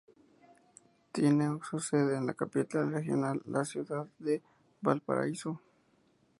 Tiene su sede en la capital regional, la ciudad de Valparaíso.